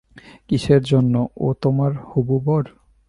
কীসের জন্য, ও তোমার হবু বর?